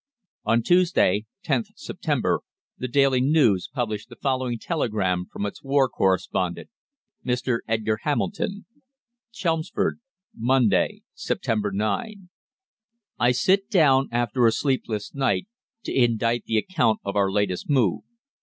On Tuesday, 10th September, the "Daily News" published the following telegram from its war correspondent, Mr. Edgar Hamilton: "CHELMSFORD, Monday, Sept. 9. "I sit down, after a sleepless night, to indite the account of our latest move.